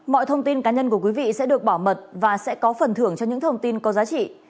mọi thông tin cá nhân của quý vị sẽ được bảo mật và sẽ có phần thưởng cho những thông tin có giá trị